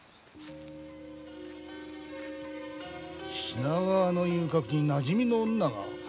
品川の遊廓になじみの女が？